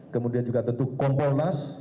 kemudian juga tentu kompornas